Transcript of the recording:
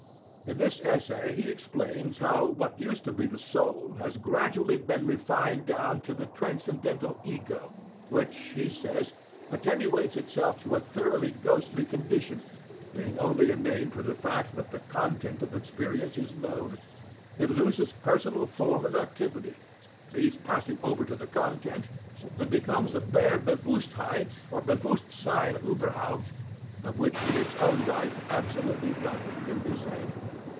"* In this essay he explains how what used to be the soul has gradually been refined down to the "transcendental ego," which, he says, "attenuates itself to a thoroughly ghostly condition, being only a name for the fact that the 'content' of experience IS KNOWN. It loses personal form and activity these passing over to the content and becomes a bare Bewusstheit or Bewusstsein uberhaupt, of which in its own right absolutely nothing can be said.